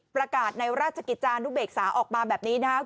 ประกาศในราชกิจจานุเบกษาออกมาแบบนี้นะครับ